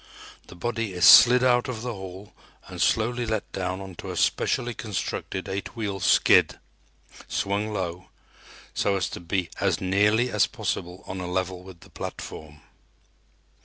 The body is slid out of the hall and slowly let down onto a specially constructed eight wheel skid, swung low, so as to be as nearly as possible on a level with the platform.